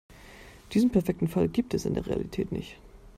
Diesen perfekten Fall gibt es in der Realität nicht.